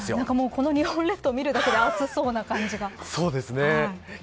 この日本列島を見るだけで暑そうな感じがします。